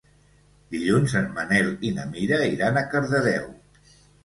Dilluns en Manel i na Mira iran a Cardedeu.